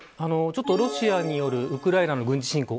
ロシアによるウクライナの軍事侵攻